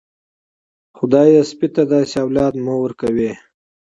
خدايه سپي ته داسې اولاد مه ورکوې.